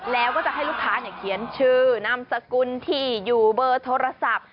แล้วก็จะให้ลูกค้าเขียนชื่อนามสกุลที่อยู่เบอร์โทรศัพท์